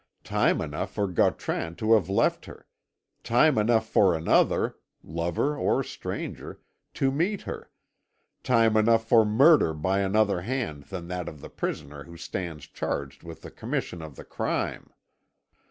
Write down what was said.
Time enough for Gautran to have left her; time enough for another lover or stranger to meet her; time enough for murder by another hand than that of the prisoner who stands charged with the commission of the crime.